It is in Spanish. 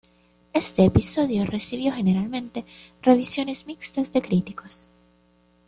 Este episodio recibió generalmente revisiones mixtas de críticos.